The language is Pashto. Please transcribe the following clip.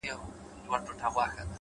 هره هڅه د بریا تخم شیندي!